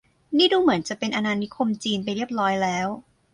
นี่ดูเหมือนจะเป็นอาณานิคมจีนไปเรียบร้อยแล้ว